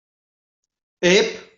Ep!